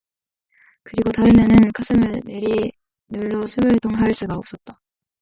그리고 다음에는 가슴을 내리 눌러 숨을 통할 수가 없었다.